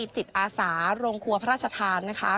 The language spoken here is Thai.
จิตอาสาโรงครัวพระราชทานนะคะ